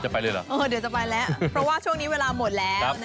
ไปเลยเหรอเดี๋ยวจะไปแล้วเพราะว่าช่วงนี้เวลาหมดแล้ว